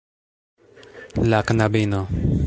La knabino.